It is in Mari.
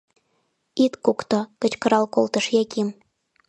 — Ит кукто! — кычкырал колтыш Яким.